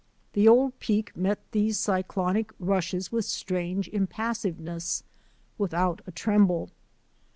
The old Peak met these cyclonic rushes with strange impassiveness, without a tremble.